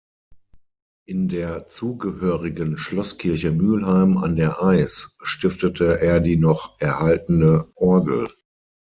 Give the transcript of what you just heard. In der zugehörigen Schlosskirche Mühlheim an der Eis stiftete er die noch erhaltene Orgel.